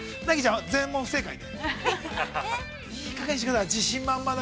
なぎちゃんは全問不正解で。